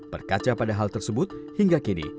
berkaca pada hal tersebut hingga kini